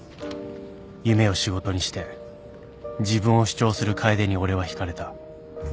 夢を仕事にして自分を主張する楓に俺は引かれた